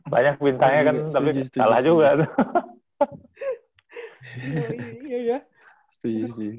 banyak bintangnya kan tapi salah juga tuh